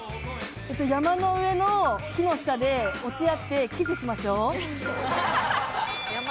山の上の木の下で落ち合ってキスしましょう。